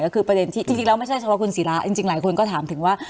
ก็คือประเด็นที่จริงแล้วไม่ใช่เฉพาะคุณศิราจริงหลายคนก็ถามถึงว่า